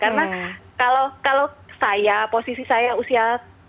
karena kalau saya posisi saya usia dua puluh tahun loh